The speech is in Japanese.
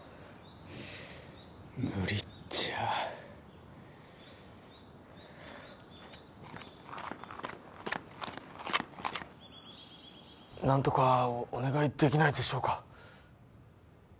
無理っちゃあ何とかお願いできないでしょうか？